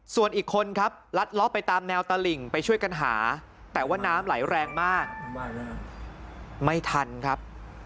ส่วนอีกคนครับลัดเลาะไปตามแนวตลิ่งไปช่วยกันหาแต่ว่าน้ำไหลแรงมากไม่ทันครับ